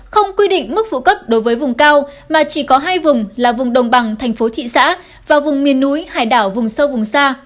không quy định mức phụ cấp đối với vùng cao mà chỉ có hai vùng là vùng đồng bằng thành phố thị xã và vùng miền núi hải đảo vùng sâu vùng xa